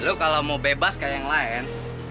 lalu kalau mau bebas kayak yang lain